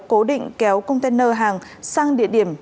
cố định kéo container hàng sang địa điểm